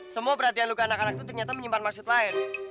semua perhatian luka anak anak itu ternyata menyimpan maksud lain